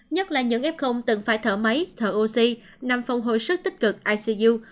nhất là những f từng phải thở máy thở oxy nằm phòng hồi sức tích cực icu